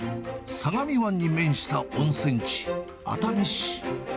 相模湾に面した温泉地、熱海市。